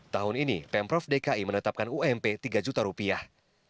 tahun ini pemprov dki menetapkan ump tiga juta rupiah